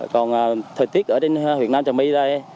còn thời tiết ở huyện nam trà my